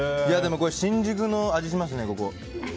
新宿の味がしますね、ここ。